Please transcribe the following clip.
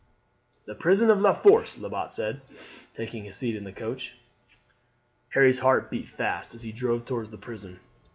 "The prison of La Force," Lebat said, taking his seat in the coach. Harry's heart beat fast as he drove towards the prison.